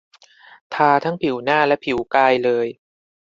ทาทั้งผิวหน้าและผิวกายเลย